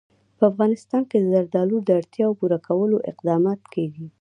په افغانستان کې د زردالو د اړتیاوو پوره کولو اقدامات کېږي.